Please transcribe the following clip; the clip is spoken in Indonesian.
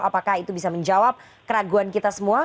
apakah itu bisa menjawab keraguan kita semua